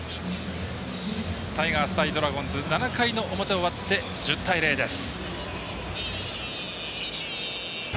タイガース対ドラゴンズ７回の表終わって１０対０です。